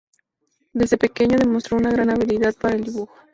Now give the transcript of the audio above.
Desde pequeño demostró una gran habilidad para el dibujo.